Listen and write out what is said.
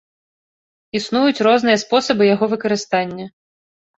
Існуюць розныя спосабы яго выкарыстання.